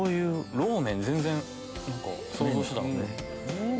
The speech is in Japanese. ローメン全然想像してたのと。